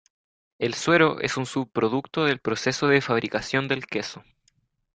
El suero es un subproducto del proceso de fabricación del queso.